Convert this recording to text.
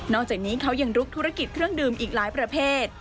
อกจากนี้เขายังลุกธุรกิจเครื่องดื่มอีกหลายประเภท